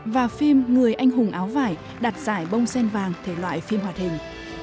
và phim người anh hùng áo vải đạt giải bông sen vàng thể loại phim hoạt hình